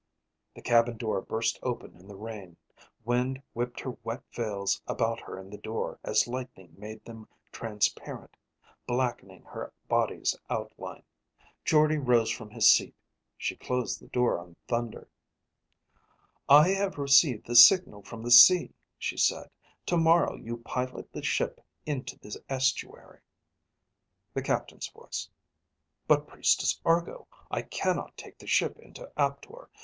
_The cabin door burst open in the rain. Wind whipped her wet veils about her in the door as lightning made them transparent, blackening her body's outline. Jordde rose from his seat. She closed the door on thunder._ "I have received the signal from the sea," she said. "Tomorrow you pilot the ship into the estuary." _The captain's voice: "But Priestess Argo, I cannot take the ship into Aptor.